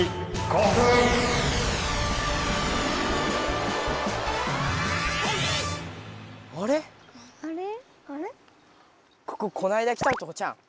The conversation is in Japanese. こここないだ来たとこちゃうん？